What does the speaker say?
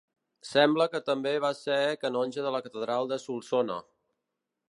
Sembla que també va ser canonge de la catedral de Solsona.